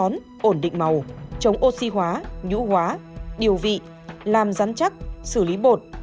làm ẩm ổn định làm dày